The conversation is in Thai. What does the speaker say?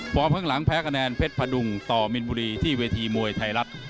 ข้างหลังแพ้คะแนนเพชรพดุงต่อมินบุรีที่เวทีมวยไทยรัฐ